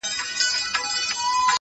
o سپوږمۍ خو مياشت كي څو ورځي وي،